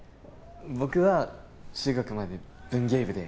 僕は中学まで文芸部で。